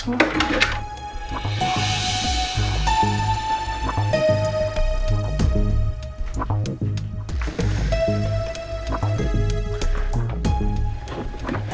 itu mbak elsa